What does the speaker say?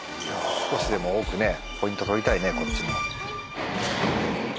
少しでも多くポイント取りたいね